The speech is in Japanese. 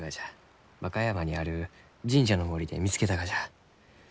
和歌山にある神社の森で見つけたがじゃ。